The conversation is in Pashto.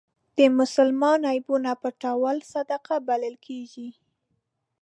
د مسلمان عیبونه پټول صدقه بلل کېږي.